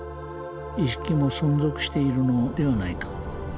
意識も存続しているのではないか。